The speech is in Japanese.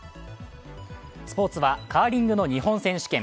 スポーツはカーリングの日本選手権。